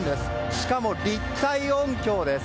しかも立体音響です。